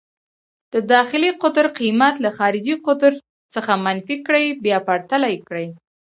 د داخلي قطر قېمت له خارجي قطر څخه منفي کړئ، بیا پرتله یې کړئ.